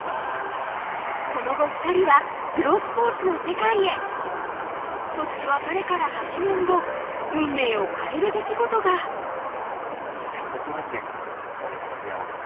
その後２人はプロスポーツの世界へそして別れから８年後運命を変える出来事がどうやって２人はまた出会うの？